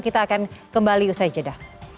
kita akan kembali usai jeda